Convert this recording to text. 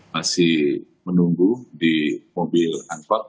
masih menunggu di mobil angkot